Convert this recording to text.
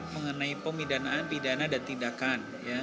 mengenai pemidanaan pidana dan tindakan